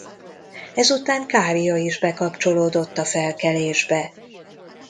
Ezután Kária is bekapcsolódott a felkelésbe.